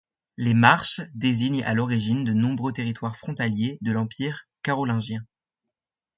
Les marches désignent à l'origine de nombreux territoires frontaliers de l'empire carolingien.